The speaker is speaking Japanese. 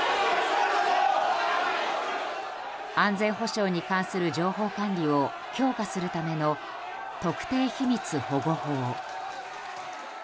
安全保障に関する情報管理を強化するための特定秘密保護法。